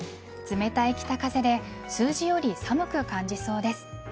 冷たい北風で数字より寒く感じそうです。